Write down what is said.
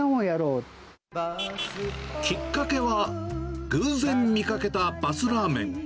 きっかけは、偶然見かけたバスラーメン。